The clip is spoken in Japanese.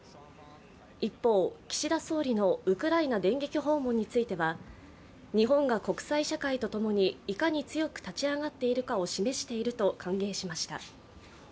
一方、岸田総理のウクライナ電撃訪問については、日本が国際社会とともにいかに強く立ち上がっているかを示していると歓迎しました。